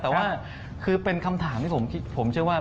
แต่ว่าคือเป็นคำถามที่ผมเชื่อว่า